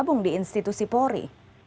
gabung di institusi polri